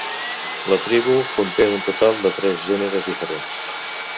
La tribu conté un total de tres gèneres diferents.